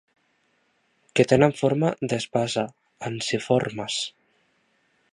Que tenen forma d'espasa, ensiformes.